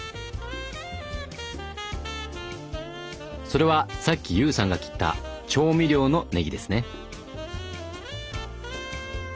それはさっき悠さんが切った「調味料」のねぎですね。